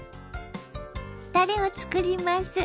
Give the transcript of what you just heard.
たれを作ります。